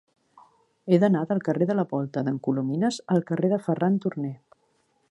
He d'anar del carrer de la Volta d'en Colomines al carrer de Ferran Turné.